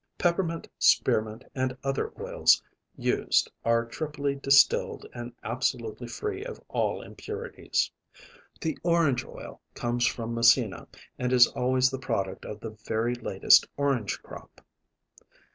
Peppermint, spearmint and other oils used are triply distilled and absolutely free of all impurities. The orange oil comes from Messina and is always the product of the very latest orange crop.